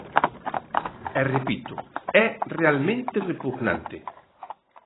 E repito, é realmente repugnante.